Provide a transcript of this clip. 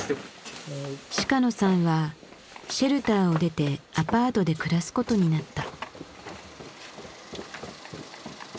鹿野さんはシェルターを出てアパートで暮らすことになった。